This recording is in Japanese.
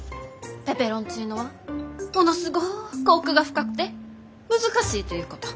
ペペロンチーノはものすごく奥が深くて難しいということ。